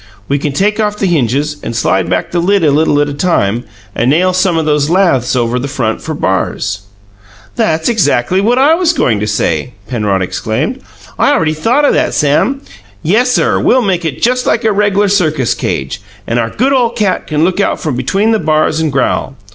We can take off the hinges and slide back the lid a little at a time, and nail some o' those laths over the front for bars." "That's just exackly what I was goin' to say!" Penrod exclaimed. "I already thought o' that, Sam. Yessir, we'll make it just like a reg'lar circus cage, and our good ole cat can look out from between the bars and growl.